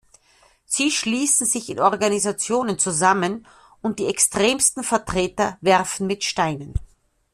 Sie schließen sich in Organisationen zusammen, und die extremsten Vertreter werfen mit Steinen.